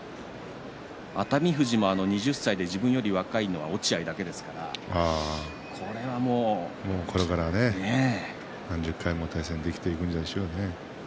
熱海富士も２０歳で自分より若いのはこれから何十回も対戦できていくんでしょうね。